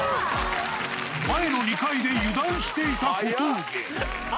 前の２回で油断していた小峠。